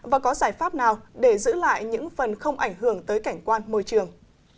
và có giải pháp nào để giữ lại những phần không ảnh hưởng tới cảnh quan môi trường